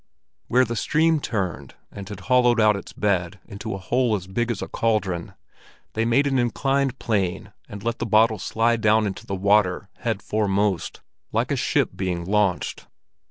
Where the stream turned, and had hollowed out its bed into a hole as big as a cauldron, they made an inclined plane and let the bottle slide down into the water head foremost, like a ship being launched.